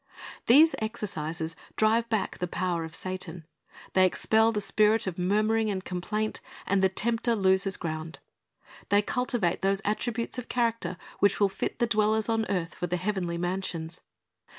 These exercises drive back the power of Satan. They expel the spirit of murmuring and complaint, and the tempter loses ground. They cultivate those attributes of character which will fit the dwellers on earth for the heavenly mansions.